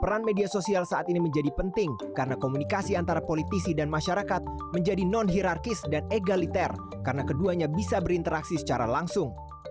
peran media sosial saat ini menjadi penting karena komunikasi antara politisi dan masyarakat menjadi non hirarkis dan egaliter karena keduanya bisa berinteraksi secara langsung